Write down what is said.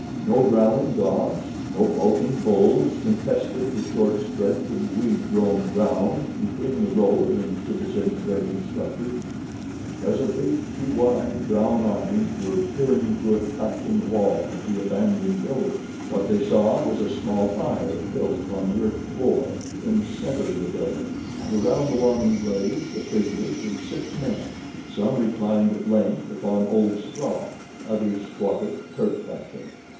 No growling dogs, no bulking bulls contested the short stretch of weed grown ground between the road and the disintegrating structure; and presently two wide, brown eyes were peering through a crack in the wall of the abandoned building. What they saw was a small fire built upon the earth floor in the center of the building and around the warming blaze the figures of six men. Some reclined at length upon old straw; others squatted, Turk fashion.